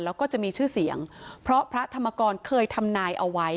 แล้วก็จะมีชื่อเสียงเพราะพระธรรมกรเคยทำนายเอาไว้